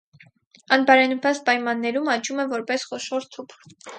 Անբարենպաստ պայմաններում աճում է որպես խոշոր թուփ։